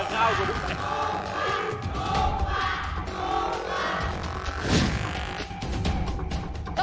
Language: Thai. ถูกกว่าถูกกว่าถูกกว่า